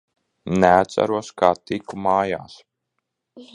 Neatceros, kā tiku mājās.